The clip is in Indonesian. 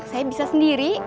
saya bisa sendiri